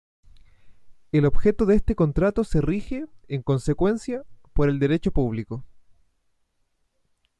El objeto de este contrato se rige, en consecuencia, por el Derecho público.